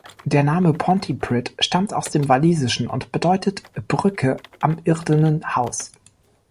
Der Name Pontypridd stammt aus dem Walisischen und bedeutet "„Brücke am irdenen Haus“".